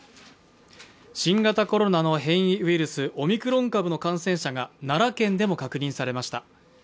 新型コロナの変異ウイルス、オミクロン株の感染者が奈良県でも確認されました。